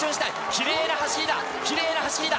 きれいな走りだ、きれいな走りだ。